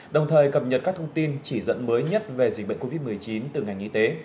đồng thời cập nhật các thông tin chỉ dẫn mới nhất về dịch bệnh covid một mươi chín từ ngành y tế